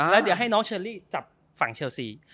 แล้วเดี๋ยวให้น้องเชอรี่จับฝั่งเชลซี